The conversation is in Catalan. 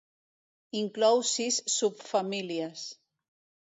Inclou sis subfamílies.